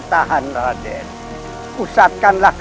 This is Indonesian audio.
atau akan kubunuh kau sekalian